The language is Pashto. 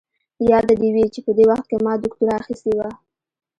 ياده دې وي چې په دې وخت کې ما دوکتورا اخيستې وه.